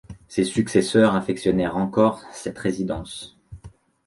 Ses successeurs affectionnèrent encore cette résidence.